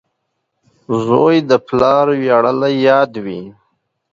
• زوی د پلار ویاړلی یاد وي.